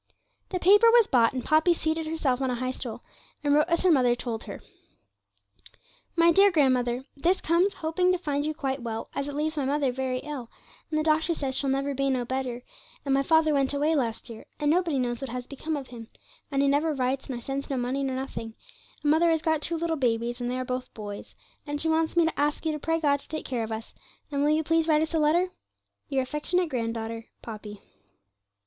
The paper was bought, and Poppy seated herself on a high stool, and wrote as her mother told her: 'MY DEAR GRANDMOTHER, 'This comes, hoping to find you quite well, as it leaves my mother very ill, and the doctor says she'll never be no better, and my Father went away last year, and nobody knows what has become of him, and he never writes nor sends no money nor nothing, and Mother has got two little babies, and they are both boys, and she wants me to ask you to pray God to take care of us, and will you please write us a letter? 'Your affectionate grand daughter, 'POPPY.'